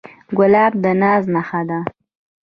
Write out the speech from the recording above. ګلاب د ناز نخښه ده.